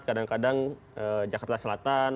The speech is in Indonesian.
kadang kadang jakarta selatan